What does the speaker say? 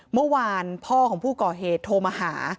เมื่อวานพ่อของผู้ก่อเหตุโทรมาหา